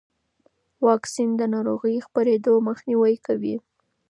واکسن د ناروغۍ د خپرېدو مخنیوی کوي.